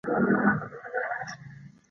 دوی وايي چې څنګه چلند وکړو.